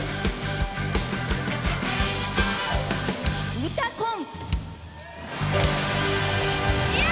「うたコン」！